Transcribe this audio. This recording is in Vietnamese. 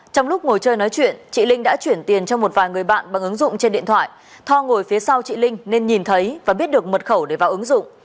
trong lúc ngồi chơi nói chuyện chị linh đã chuyển tiền cho một vài người bạn bằng ứng dụng trên điện thoại thoa ngồi phía sau chị linh nên nhìn thấy và biết được mật khẩu để vào ứng dụng